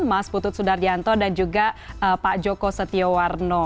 mas putut sudaryanto dan juga pak joko setiawarno